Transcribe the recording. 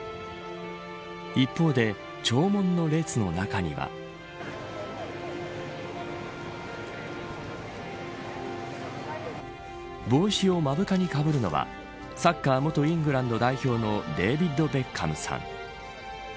一方で、弔問の列の中には。帽子を目深にかぶるのはサッカー元イングランド代表のデービッド・ベッカムさん。